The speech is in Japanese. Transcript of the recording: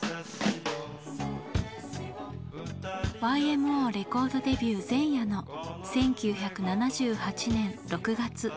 ＹＭＯレコードデビュー前夜の１９７８年６月。